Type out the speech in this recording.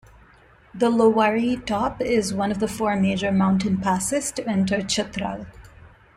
The Lowari Top is one of the four major mountain passes to enter Chitral.